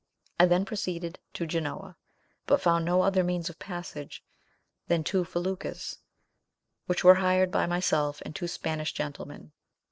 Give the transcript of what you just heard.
I then proceeded to Genoa, but found no other means of passage than two feluccas, which were hired by myself and two Spanish gentlemen.